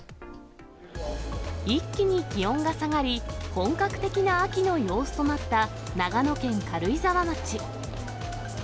一気に気温が下がり、本格的な秋の様子となった長野県軽井沢町。